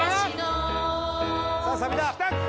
さあサビだ・